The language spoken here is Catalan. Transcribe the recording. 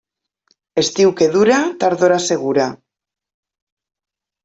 Estiu que dura, tardor assegura.